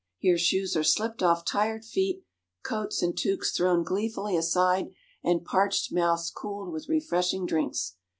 Here shoes are slipped off tired feet, coats and tuques thrown gleefully aside, and parched mouths cooled with refreshing drinks.